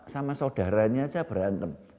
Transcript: sama saudaranya saja berantem